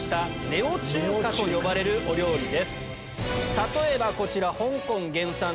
例えばこちら。